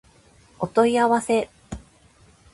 お問い合わせ